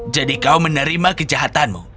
jadi kau menerima kejahatanmu